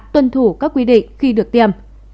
tuân thủ các quy định khi được tiêm